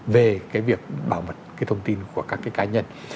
về cái việc bảo mật cái thông tin của các cái cá nhân